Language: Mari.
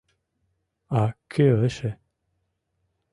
— А кӧ эше?